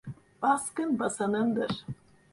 Baskın basanındır.